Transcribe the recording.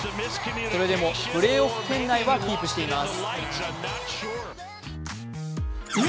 それでもプレーオフ圏内はキープしています。